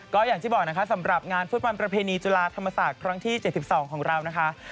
ก็อย่างที่บอกนะคะสำหรับงานฟุตบอลประเพณีจุฬาธรรมศาสตร์ครั้งที่๗๒ของเรานะคะ